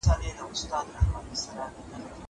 هغه څوک چې کار کوي پرمختګ کوي!!